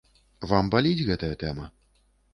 Вам баліць гэтая тэма?